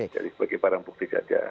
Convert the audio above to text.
jadi sebagai barang bukti saja